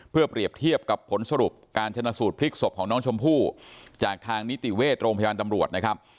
เพื่อเปรียบเทียบกับผลสรุปการชนะสูตรพลิกศพของน้องชมพู่จากทางนิติเวชโรงพยาบาลตำรวจนะครับ